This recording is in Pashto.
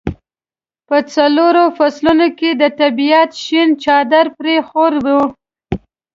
په څلورو فصلونو کې د طبیعت شین څادر پرې خور وي.